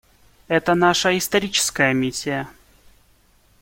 Это наша историческая миссия.